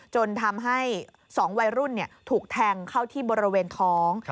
จนทำให้๒วัยรุ่นถูกแทงเข้าที่บริเวณท้อง